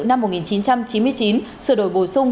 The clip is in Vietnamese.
năm một nghìn chín trăm chín mươi chín sửa đổi bổ sung